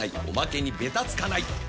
おまけにベタつかない！